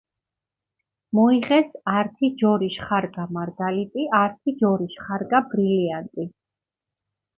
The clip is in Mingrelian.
მოიღეს ართი ჯორიშ ხარგა მარგალიტი, ართი ჯორიშ ხარგა ბრილიანტი.